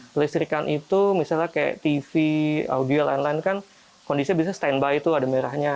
kelistrikan itu misalnya kayak tv audio lain lain kan kondisinya biasanya standby tuh ada merahnya